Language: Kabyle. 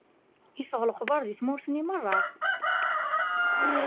Iffeɣ lexbaṛ di tmurt-nni meṛṛa.